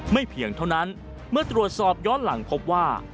เพียงเท่านั้นเมื่อตรวจสอบย้อนหลังพบว่า